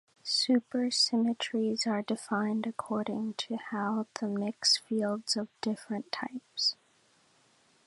Supersymmetries are defined according to how the mix fields of "different" types.